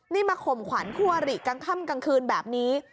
นี่มาข่มขวัญคู่อริกลางค่ำกลางคืนแบบนี้